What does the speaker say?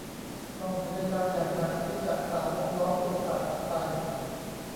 ต้องพยายามอย่างหนักที่จะฝ่าวงล้อมอุปสรรคออกไป